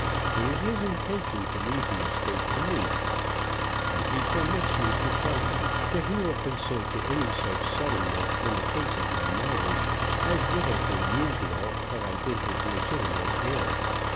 It is his intention to leave the estate to me, and he permits me to tell you that he will consent to any such settlement in the case of my marriage, as would have been usual, had I been his legitimate heir.